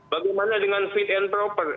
bagaimana dengan fit and proper